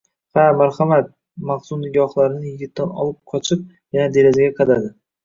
-Ha, marhamat! – Mahzun nigohlarini yigitdan olib qochib yana derazaga qadadi.